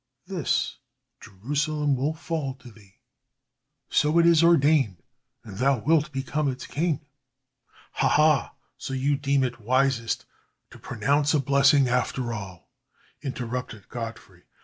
"This. Jerusalem will fall to thee. So it is ordained, and thou wilt become its king." "Ha, ha! So you deem it wisest to pronounce a blessing after all," interrupted Godfrey.